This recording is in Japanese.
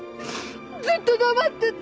ずっと黙ってて。